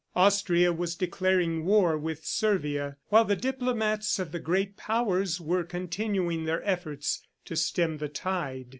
Austria was declaring war with Servia while the diplomats of the great powers were continuing their efforts to stem the tide.